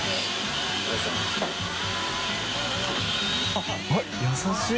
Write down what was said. あっ優しい！